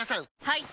はい！